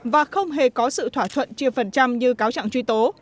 và không hề có sự thỏa thuận chia phần trăm như cáo trạng truy tố